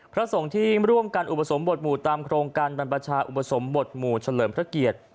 พระสงฆ์ที่ร่วมกันอุปสมบทหมู่ตามโครงการบรรพชาอุปสมบทหมู่เฉลิมพระเกียรติ